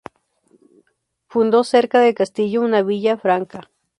Fundó cerca del castillo una villa franca.